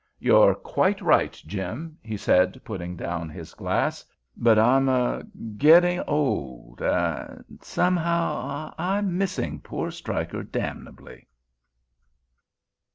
"You're quite right, Jim," he said, putting down his glass, "but I'm—er—getting old—and—somehow—I am missing poor Stryker damnably!"